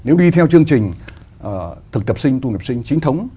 nếu đi theo chương trình thực tập sinh tu nghiệp sinh chính thống